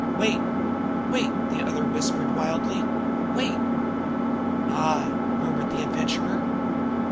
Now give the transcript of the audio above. Wait! Wait!" the other whispered wildly. "Wait!" "Ah!" murmured the Adventurer.